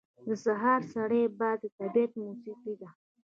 • د سهار سړی باد د طبیعت موسیقي ده.